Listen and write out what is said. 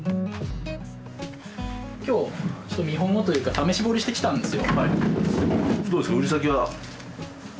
今日見本をというか試し掘りしてきたんですよ。